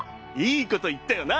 いいこと言ったよな？